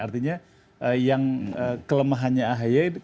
artinya yang kelemahannya akhaya